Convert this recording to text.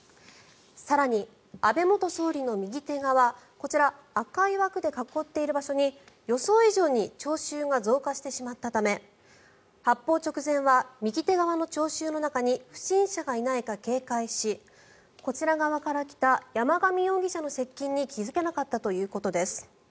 更に安倍元総理の右手側こちら赤い枠で囲っている場所に予想以上に聴衆が増加してしまったため発砲直前は右手側の聴衆の中に不審者がいないか警戒しこちら側から来た山上容疑者の接近に気付けなかったということです。